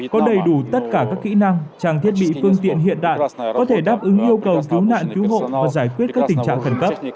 có đầy đủ tất cả các kỹ năng trang thiết bị phương tiện hiện đại có thể đáp ứng yêu cầu cứu nạn cứu hộ và giải quyết các tình trạng khẩn cấp